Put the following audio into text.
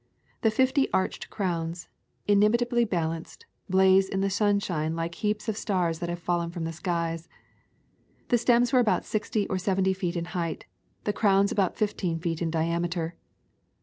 The fifty arched crowns, inimitably balanced, blaze in the sun shine like heaps of stars that have fallen from the skies. The stems were about sixty or seventy feet in height, the crowns about fifteen feet in diameter.